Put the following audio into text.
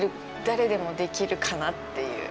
誰でもできるかなっていう。